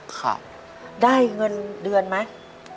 ค่ะได้เงินเดือนไหม